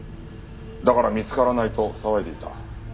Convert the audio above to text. だから「見つからない」と騒いでいた。